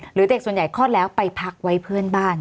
เด็กส่วนใหญ่คลอดแล้วไปพักไว้เพื่อนบ้าน